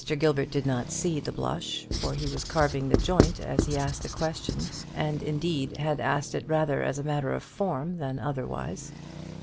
Gilbert did not see the blush, for he was carving the joint as he asked the question, and indeed had asked it rather as a matter of form than otherwise.